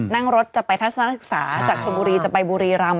นั่งรถจะไปทัศนศึกษาจากชนบุรีจะไปบุรีรำ